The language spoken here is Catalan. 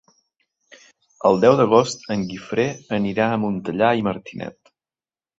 El deu d'agost en Guifré anirà a Montellà i Martinet.